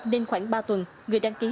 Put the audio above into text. nên khoảng ba tuần người đăng ký